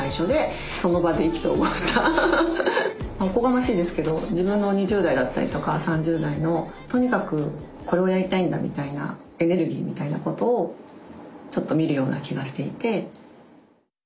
おこがましいですけど自分の２０代だったりとか３０代のとにかくこれをやりたいんだみたいなエネルギーみたいなことをちょっと見るような気がしていて。